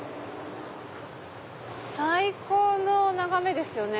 最高の眺めですよね